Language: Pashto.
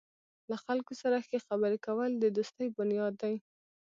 له خلکو سره ښې خبرې کول د دوستۍ بنیاد دی.